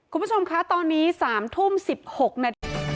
คุณผู้ชมคะตอนนี้๓ทุ่ม๑๖นาที